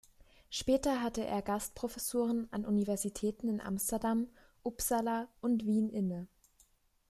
Später hatte er Gastprofessuren an Universitäten in Amsterdam, Uppsala und Wien inne.